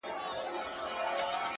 خو زه،